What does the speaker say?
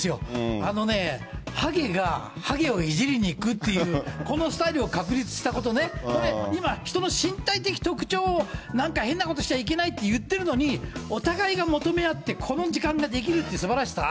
あのね、はげがはげをいじりに行くっていう、このスタイルを確立したことね、これ、今、人の身体的特徴を、なんか変なことしちゃいけないって言ってるのに、お互いが求め合って、この時間でできるってすばらしさ。